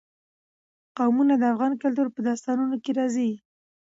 قومونه د افغان کلتور په داستانونو کې راځي.